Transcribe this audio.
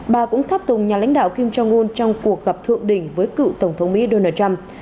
bà cũng tháp tùng nhà lãnh đạo kim jong un trong cuộc gặp thượng đỉnh với cựu tổng thống mỹ donald trump